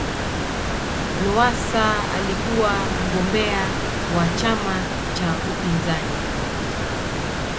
lowasa alikuwa mgombea wa chama cha upinzani